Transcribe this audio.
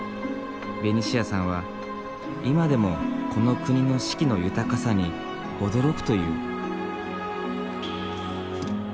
ベニシアさんは今でもこの国の四季の豊かさに驚くという。